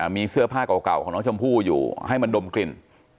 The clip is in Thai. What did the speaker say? มีเสื้อผ้าเก่าของน้องชมพู่อยู่ให้มันดมกลิ่น